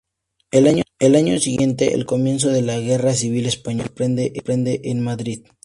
Al año siguiente, el comienzo de la Guerra Civil Española le sorprende en Madrid.